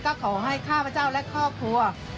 ก็ขอให้ข้าพเจ้าและครอบครัว